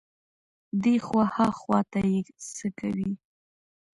دې خوا ها خوا ته يې څکوي.